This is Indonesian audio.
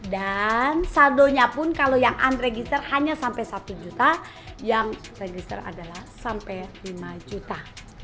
dan saldonya pun kalau yang unregistered hanya sampai satu juta yang register adalah sampai lima juta